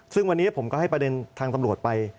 ซึ่งวันนี้ผมก็ให้ประเด็นทางตำรวจไป